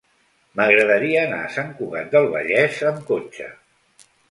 M'agradaria anar a Sant Cugat del Vallès amb cotxe.